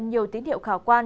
nhiều tín hiệu khả quan